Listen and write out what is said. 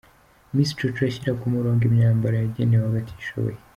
Miss Jojo ashyira ku murongo imyambaro yagenewe abatishoboye.